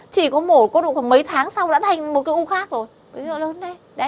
chỉ có mổ có đủ mấy tháng sau đã thành một cái u khác rồi